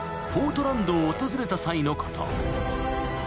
ポートランドを訪れた際のこと］